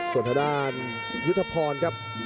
ส่วนทางด้านยุทธพรครับ